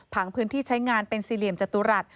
พื้นที่ใช้งานเป็นสี่เหลี่ยมจตุรัส